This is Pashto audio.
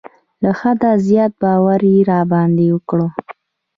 له حده زیات باور یې را باندې وکړ.